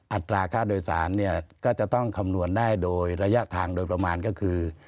อัตราค่าโดยสารเนี่ยก็จะต้องคำนวณได้โดยระยะทางโดยประมาณก็คือ